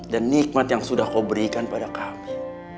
dan nikmat yang sudah kau berikan pada kami